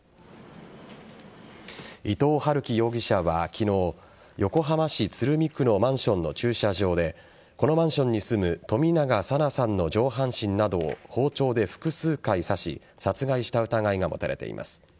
伊藤龍稀容疑者は昨日横浜市鶴見区のマンションの駐車場でこのマンションに住む冨永紗菜さんの上半身などを包丁で複数回刺し殺害した疑いが持たれています。